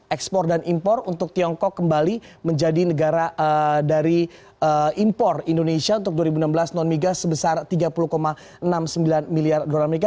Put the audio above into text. ekspor dan impor untuk tiongkok kembali menjadi negara dari impor indonesia untuk dua ribu enam belas non migas sebesar tiga puluh enam puluh sembilan miliar dolar amerika